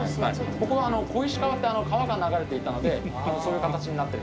ここは小石川って川が流れていたのでそういう形になってるんだそうです。